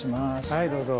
はいどうぞ。